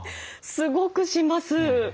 すごくします。